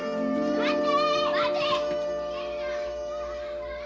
待て！